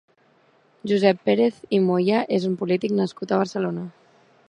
Josep Pérez i Moya és un polític nascut a Barcelona.